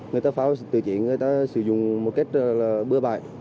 người ta phao tự chế người ta sử dụng một cách bưa bài